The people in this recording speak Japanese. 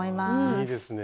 いいですね